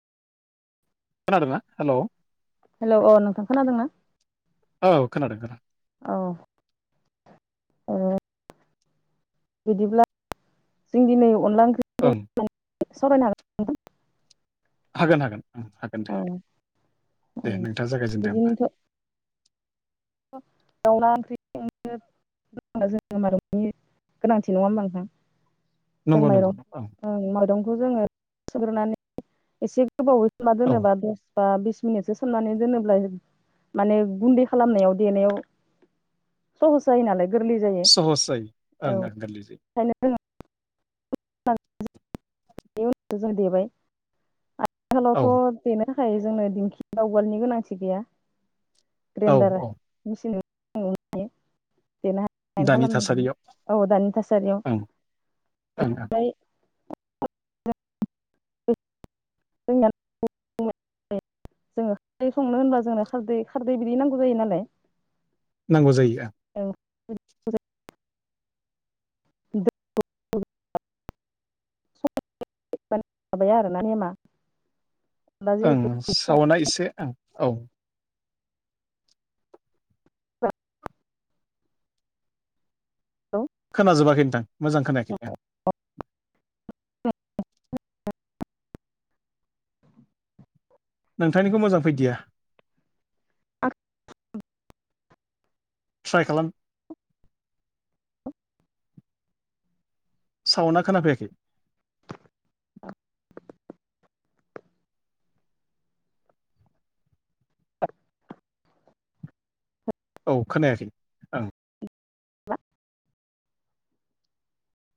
खोनादोंना हेल' औ हेल' अ नोंथां खोनादोंना? औ खोनादों खोनादों औ ए बिदिब्ला जों दिनै अनला ओं [unintelligible] [unintelligible] हागोन हागोन ओ हागोन दे दे नोंथाङा जागायजेनदो होमबा दाउला [unintelligible] [unintelligible] गोनांथि नङा होमबा नोंथां जों नंगौ नंगौ माइरं नंगौ ओं माइरंखौ जोङो सुग्रोनानै एसे [unintelligible] औ बा बिस मिनिटसो सोमनानै दोनोब्ला माने गुन्दै खालामनायाव देनायाव सहस जायो नालाय गोरलै जायो सहस जायो ओं औ ओं गोरलै जायो ओखायनो जोङो [unintelligible] [unintelligible] जों देबाय औ आथिखालावथ' देनो [unintelligible] थाखाय जोंनो दिंखि बा उवालनि गोनांथि गैया औ ग्रेन्डार औ मिसिन [unintelligible] देरनो दानि थासारियाव [unintelligible] ओ दानि थासारियाव ए नोंथां ओमफ्राय [unintelligible] जोङो खारै संनो होनबा जोंनो खारदै खारदै बिदि नांगौ जायो नालाय नांगौ जायो ओं औ [unintelligible] [unintelligible] [unintelligible] आरोना नेमा दा ओं सावनाआ एसे ओं औ जिहेथु खोनाजोबाखै नोंथां मोजां खोनायाखै आं नोंथांनिखौ मोजां फैदिया आं ट्राइ खालाम सावन्ना खोनाफैयाखै [inaudible] औ खोनायासै ओं [unintelligible]